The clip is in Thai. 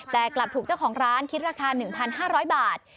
แต่กลับถูกเจ้าของร้านคิดราคา๑๕๐๐บาท